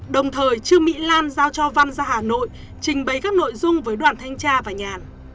đồng thời trương mỹ lan giao cho văn ra hà nội trình bày các nội dung với đoàn thanh tra và nhàn